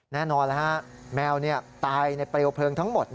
แน่นอนแมวตายในเปลวเพลิงทั้งหมด